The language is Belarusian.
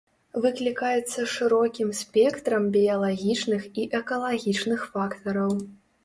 Выклікаецца шырокім спектрам біялагічных і экалагічных фактараў.